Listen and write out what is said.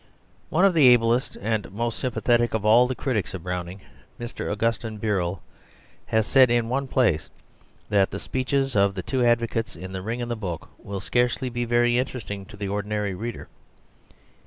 One of the ablest and most sympathetic of all the critics of Browning, Mr. Augustine Birrell, has said in one place that the speeches of the two advocates in The Ring and the Book will scarcely be very interesting to the ordinary reader.